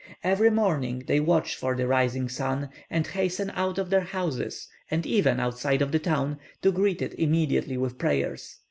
Every morning they watch for the rising sun, and hasten out of their houses, and even outside of the town, to greet it immediately with prayers.